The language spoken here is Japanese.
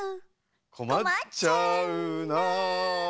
「こまっちゃうな」